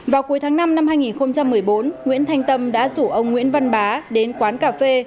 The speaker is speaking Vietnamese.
vào cuối tháng năm năm hai nghìn một mươi bốn nguyễn thanh tâm đã rủ ông nguyễn văn bá đến quán cà phê